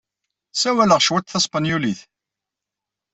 Ssawaleɣ cwiṭ taspenyulit.